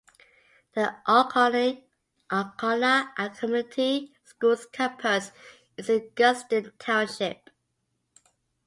The Alcona Community Schools campus is in Gustin Township.